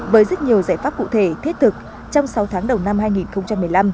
với rất nhiều giải pháp cụ thể thiết thực trong sáu tháng đầu năm hai nghìn một mươi năm